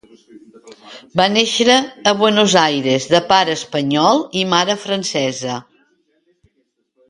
Va néixer a Buenos Aires de pare espanyol i mare francesa.